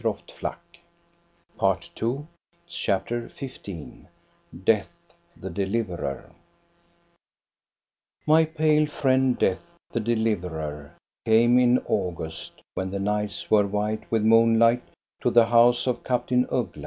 DEATH, THE DELIVERER 367 CHAPTER XV DEATH, THE DELIVERER My pale friend, Death the deliverer, came in August, when the nights were white with moonlight, to the house of Captain Uggla.